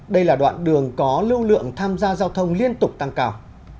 đây là đoạn đường có lưu lượng tham gia giao thông liên tục tăng cao